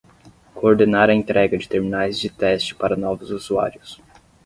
Coordenar a entrega de terminais de teste para novos usuários.